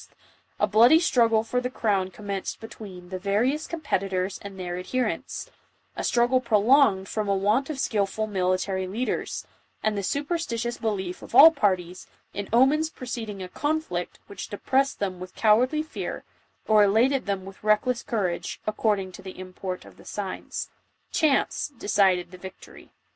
a bloody struggle for the crown commenced be tween the various competitors and their adherents — a struggle prolonged from a want of skilful military lead ers, and the superstitious belief of all parties, in omens preceding a conflict which depressed them with coward ly fear, or elated them with reckless courage, according to the import of the signs. Chance decided the victory.